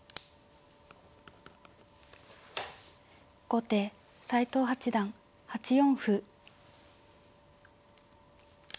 後手斎藤八段８四歩。